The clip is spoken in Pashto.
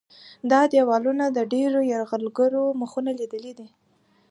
دا دیوالونه د ډېرو یرغلګرو مخونه لیدلي دي.